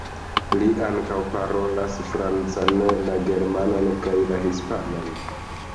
Li ankaŭ parolas la francan, la germanan kaj la hispanan.